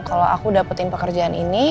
kalau aku dapetin pekerjaan ini